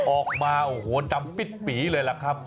ออกมาโอ้โหดำปิดปีเลยล่ะครับ